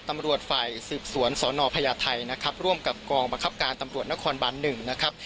ตำรวจฝ่ายสืบสวนสนพญาไทยนะครับร่วมกับกองบังคับการตำรวจนครบัน๑นะครับ